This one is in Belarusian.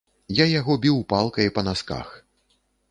Я яго біў палкай па насках.